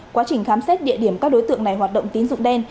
quá trình khám xét địa điểm các đối tượng này hoạt động tín dụng đen